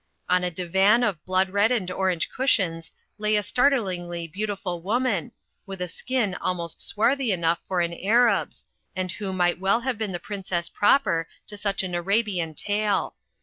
On a divan of blood red and orange cushions lay a startlingly beautiful woman, with a skin almost swarthy enough for an Arab's, and who might well have been the Princess proper to such an Arabian tale.